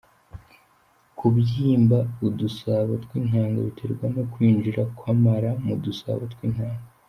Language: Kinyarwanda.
Kubyimba udusabo tw’intanga biterwa no kwinjira kw’amara mu dusabo tw’intanga.